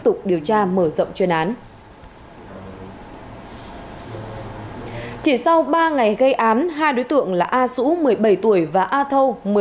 tục điều tra mở rộng chuyên án chỉ sau ba ngày gây án hai đối tượng là a sũ một mươi bảy tuổi và a thâu